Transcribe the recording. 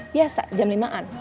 biasa jam lima an